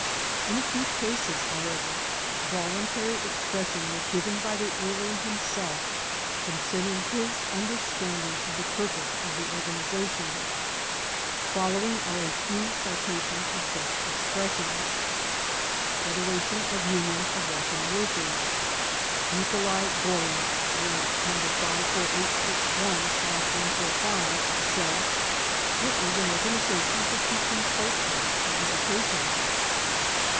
In a few cases, however, voluntary expression was given by the alien himself concerning his tmderstand ing of the purpose of the organization. Following are a few citations of such expressions : 1. Federation of Unions of Russian Workers Nickoli Gorin (Warrant No. 54861/145) said: 'Tt is an organization for teaching culture and education."